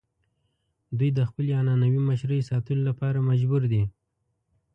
دوی د خپلې عنعنوي مشرۍ ساتلو لپاره مجبور دي.